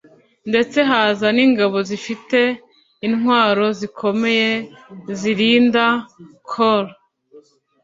ndetse haza n’ingabo zifite intwaro zikomeye zirinda Col